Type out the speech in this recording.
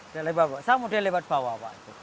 saya model lewat bawah pak